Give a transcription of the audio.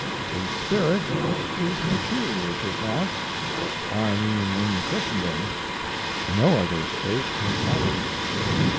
The spirit is peculiar to France I mean in Christendom no other state has had it.